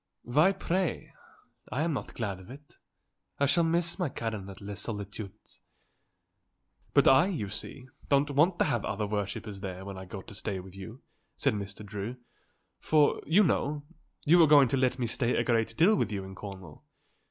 "Why, pray? I am not glad of it. I shall miss my Karen at Les Solitudes." "But I, you see, don't want to have other worshippers there when I go to stay with you," said Mr. Drew; "for, you know, you are going to let me stay a great deal with you in Cornwall.